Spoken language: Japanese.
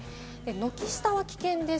軒下は危険です。